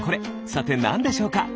さてなんでしょうか？